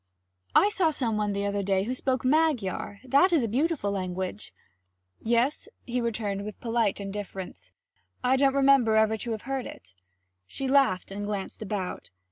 'I saw some one the other day who spoke Magyar that is a beautiful language.' 'Yes?' he returned with polite indifference. 'I don't remember ever to have heard it.' She laughed and glanced about.